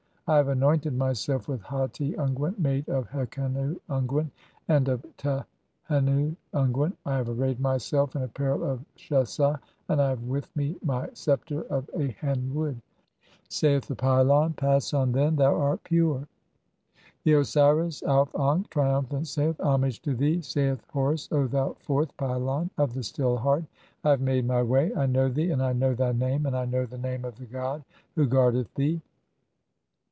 I have anointed (12) myself "with hati unguent [made] of hekennu unguent and of tahennu "unguent, I have arrayed myself in apparel of sliesd, and I have "with me my sceptre of alien (?) wood." [Saith the pylon :—] "Pass on, then, thou art pure." IV. (i3) The Osiris Auf ankh, triumphant, saith: — "Homage to thee, saith Horus, O thou fourth pylon of the "Still Heart. I have made [my] way. I know thee, and I know "thy name, and I know the name of the god (14) who guardeth "thee.